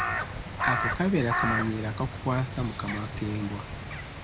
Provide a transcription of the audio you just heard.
Ako kabeera kamanyiiro akakukwasa mu kamwa k'embwa.